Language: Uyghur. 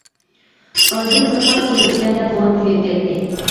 ئارىدىن بىر قانچە يىل ئۆتكەندە بوۋام تۈگەپ كەتتى.